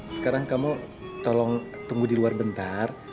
sekarang kamu tolong tunggu di luar bentar